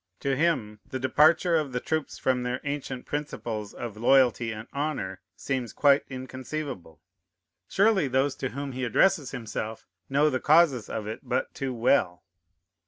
To him the departure of the troops from their ancient principles of loyalty and honor seems quite inconceivable. Surely those to whom he addresses himself know the causes of it but too well.